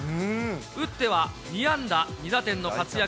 打っては２安打２打点の活躍。